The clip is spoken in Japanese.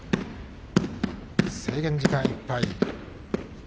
制限時間いっぱい。